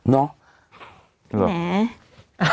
เนาะ